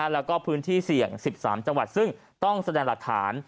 แล้วก็พื้นที่เสี่ยง๑๓จังหวัดซึ่งต้องแสดงหลักฐาน